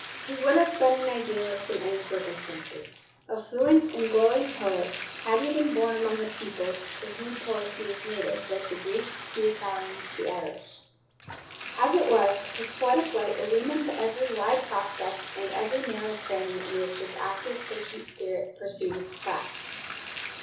He would have been an idealist in any circumstances; a fluent and glowing poet, had he been born among a people to whom poesy is native, like the Greeks, the Italians, the Irish. As it was, his poetic light illumined every wide prospect and every narrow cranny in which his active, patient spirit pursued its task.